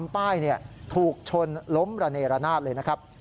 ป้ายถูกชนล้มระเนรนาศเลยนะครับ